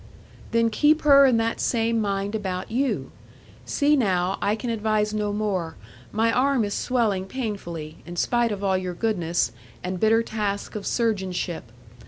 'Then keep her in that same mind about you. See now, I can advise no more. My arm is swelling painfully, in spite of all your goodness, and bitter task of surgeonship.